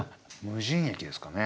「無人駅」ですかね。